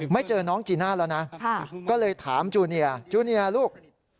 เจอน้องจีน่าแล้วนะก็เลยถามจูเนียจูเนียลูก